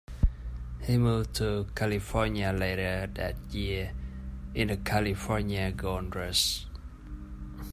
He moved to California later that year in the California Gold Rush.